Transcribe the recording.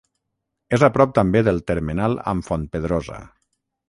És a prop també del termenal amb Fontpedrosa.